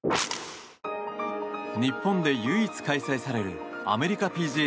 日本で唯一開催されるアメリカＰＧＡ